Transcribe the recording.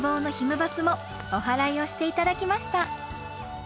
バスもおはらいをして頂きました。